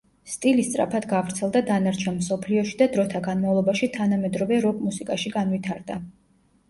სტილი სწრაფად გავრცელდა დანარჩენ მსოფლიოში და დროთა განმავლობაში თანამედროვე როკ მუსიკაში განვითარდა.